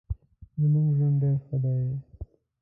زمونږ ژوند ډیر ښه دې